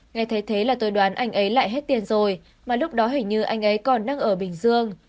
ngay thế là tôi đoán anh ấy lại hết tiền rồi mà lúc đó hình như anh ấy còn đang ở bình dương